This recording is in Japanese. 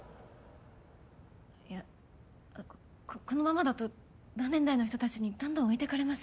いやあっここのままだと同年代の人たちにどんどん置いてかれます。